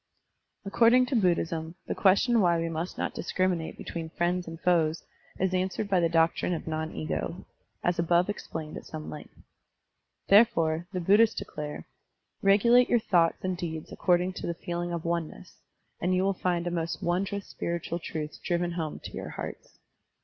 According to Buddhism, the question why we must not discriminate between friends and foes is answered by the doctrine of non ego, as above explained at some length. Therefore, the Bud dhists declare : Regulate your thoughts and deeds according to the feeling of oneness, and you will find a most wondrous spiritual truth driven home to your hearts.